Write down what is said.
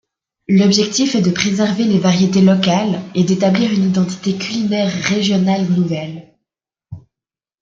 L'objectif est de préserver les variétés locales et d'établir une identité culinaire régionale nouvelle.